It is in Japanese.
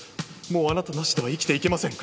もうあなたなしでは生きていけません。